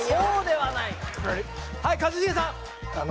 はい一茂さん